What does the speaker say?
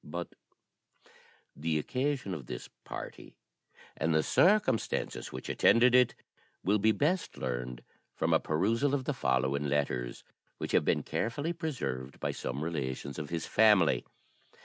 But the occasion of this party, and the circumstances which attended it, will be best learned from a perusal of the following letters, which have been carefully preserved by some relations of his family.